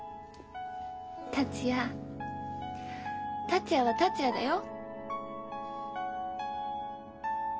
達也は達也だよ。